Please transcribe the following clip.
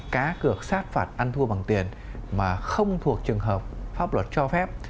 cá cược sát phạt ăn thua bằng tiền mà không thuộc trường hợp pháp luật cho phép